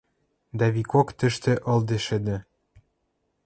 Дӓ викок тӹштӹ ылде шӹдӹ.